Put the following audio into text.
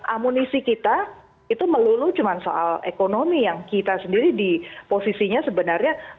amunisi kita itu melulu cuma soal ekonomi yang kita sendiri di posisinya sebenarnya